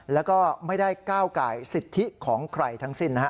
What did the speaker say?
แล้วก็ไม่ได้ก้าวไก่สิทธิของใครทั้งสิ้นนะฮะ